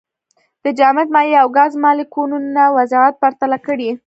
د جامد، مایع او ګاز مالیکولونو وضعیت پرتله کړئ.